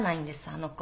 あの子。